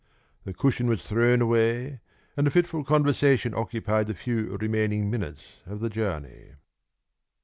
The cushion was thrown away, and a fitful conversation occupied the few remaining minutes of the journey.